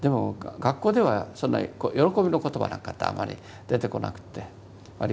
学校ではそんな喜びの言葉なんかあんまり出てこなくって割合